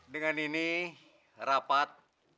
dengan ini rapat